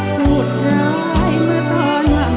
พูดร้ายก็ต้อนว่างถิ่น